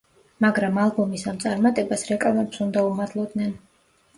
მაგრამ ალბომის ამ წარმატებას რეკლამებს უნდა უმადლოდნენ.